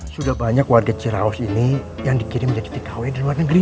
sudah banyak warga ciraos ini yang dikirim jadi tikawai di luar negeri